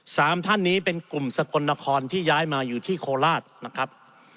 สามท่านนี้เป็นกลุ่มสกลนครที่ย้ายมาอยู่ที่โคราชนะครับ